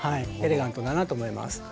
エレガントだなと思います。